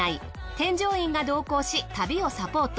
添乗員が同行し旅をサポート。